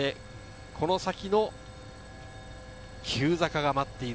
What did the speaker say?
この先、急坂が待っている。